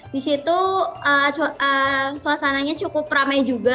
di situ suasananya cukup ramai juga